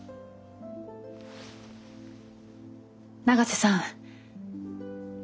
永瀬さん